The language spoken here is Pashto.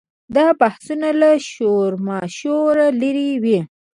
دا بحثونه له شورماشوره لرې وي.